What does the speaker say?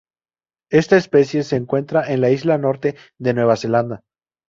Esta especie se encuentra en la isla Norte de Nueva Zelanda.